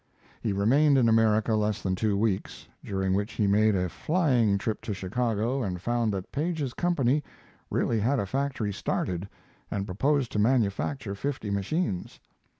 He remained in America less than two weeks, during which he made a flying trip to Chicago and found that Paige's company really had a factory started, and proposed to manufacture fifty machines.